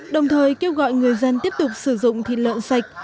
đồng thời kêu gọi người dân tiếp tục sử dụng thịt lợn sạch